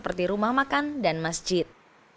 seperti rumah makan dan masjid